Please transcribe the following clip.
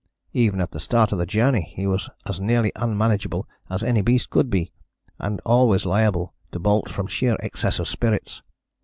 Even at the start of the journey he was as nearly unmanageable as any beast could be, and always liable to bolt from sheer excess of spirits.